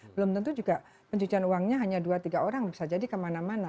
belum tentu juga pencucian uangnya hanya dua tiga orang bisa jadi kemana mana